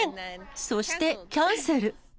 そして、キャンセル。